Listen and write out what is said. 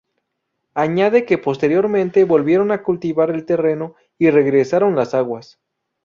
Añade que posteriormente volvieron a cultivar el terreno y regresaron las aguas.